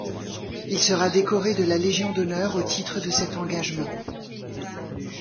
Il sera décoré de la Légion d'honneur au titre de cet engagement.